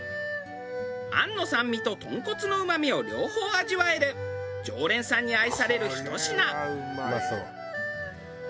餡の酸味と豚骨のうまみを両方味わえる常連さんに愛されるひと品。